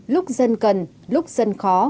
lúc dân cần lúc dân khó